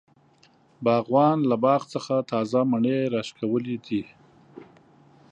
باغوان له باغ څخه تازه مڼی راشکولی دی.